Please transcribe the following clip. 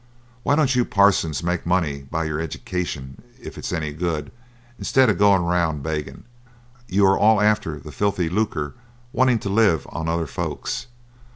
Why don't you parsons make money by your eddication if it's any good, instead of goin' round beggin'? You are all after the filthy lucre, wantin' to live on other folks.'